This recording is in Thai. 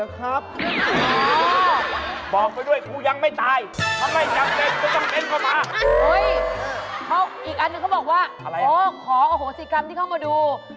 เก็บไว้เคี้ยวอาหารไม่มาโชว์ได้อย่างไร